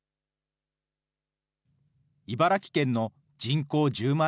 茨城県の人口１０万